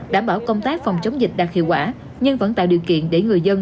đảm bảo công tác phòng chống dịch đạt hiệu quả nhưng vẫn tạo điều kiện để người dân